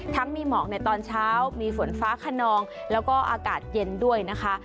มีหมอกในตอนเช้ามีฝนฟ้าขนองแล้วก็อากาศเย็นด้วยนะคะ